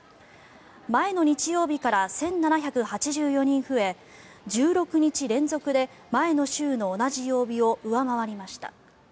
前の日曜日から１７８４人増え１６日連続で前の週の同じ曜日を上回りました。